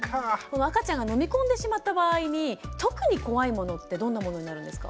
赤ちゃんが飲み込んでしまった場合に特に怖いものってどんなものになるんですか。